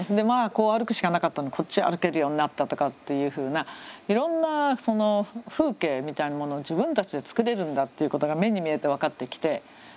こう歩くしかなかったのにこっち歩けるようになったとかっていうふうないろんな風景みたいなものを自分たちで作れるんだっていうことが目に見えて分かってきて。